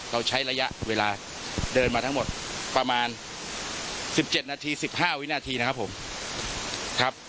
เราใช้ระยะเวลาเดินมาทั้งหมดประมาณ๑๗นาที๑๕วินาทีนะครับผมครับ